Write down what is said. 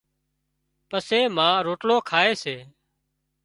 پسي ما روٽلو کائي سي